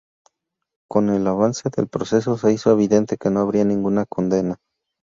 Con el avance del proceso, se hizo evidente que no habría ninguna condena.